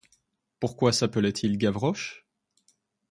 Pourquoi s'appelait-il Gavroche?